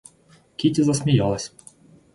Кити засмеялась.